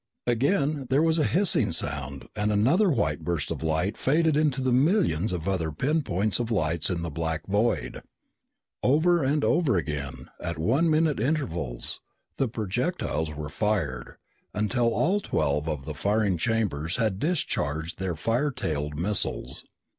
Again there was a hissing sound and another white burst of light faded into the millions of other pinpoints of lights in the black void. Over and over again, at one minute intervals, the projectiles were fired, until all twelve of the firing chambers had discharged their fire tailed missiles.